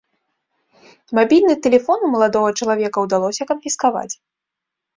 Мабільны тэлефон у маладога чалавека ўдалося канфіскаваць.